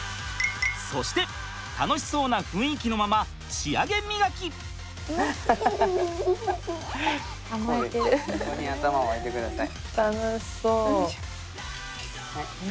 そして楽しそうな雰囲気のままここに頭を置いてください。